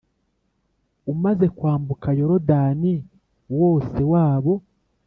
umaze kwambuka yorudani wose wabo